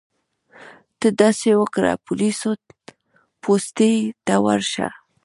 ته داسې وکړه پولیسو پوستې ته ورشه.